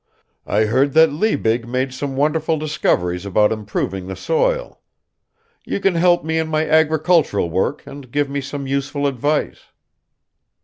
I heard that Liebig made some wonderful discoveries about improving the soil. You can help me in my agricultural work and give me some useful advice."